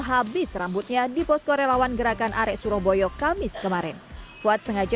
habis rambutnya di pos korelawan gerakan arek suroboyo kamis kemarin buat sengaja